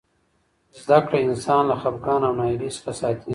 زده کړه انسان له خفګان او ناهیلۍ څخه ساتي.